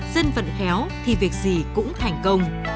dân vận khéo thì việc gì cũng thành công